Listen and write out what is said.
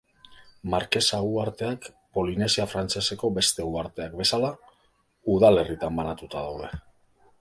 Markesa uharteak, Polinesia Frantseseko beste uharteak bezala, udalerritan banatuta daude.